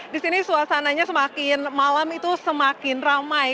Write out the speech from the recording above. di sini suasananya semakin malam itu semakin ramai